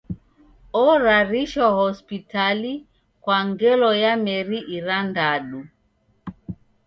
Orarishwa hospitali kwa ngelo ya meri irandadu.